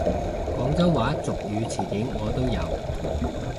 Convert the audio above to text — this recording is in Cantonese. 廣州話俗語詞典我都有！